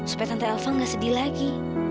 supaya tante elva gak sedih lagi